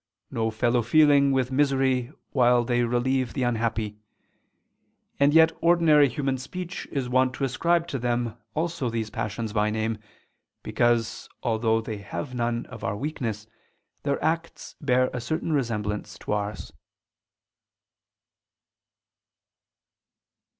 . no fellow feeling with misery while they relieve the unhappy: and yet ordinary human speech is wont to ascribe to them also these passions by name, because, although they have none of our weakness, their acts bear a certain resemblance to ours."